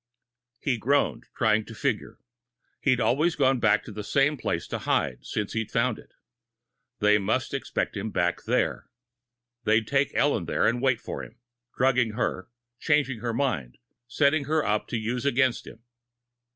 He groaned, trying to figure. He'd always gone back to the same place to hide, since he'd found it. They must expect him back there. They'd take Ellen there and wait for him, drugging her, changing her mind, setting her up to use against him.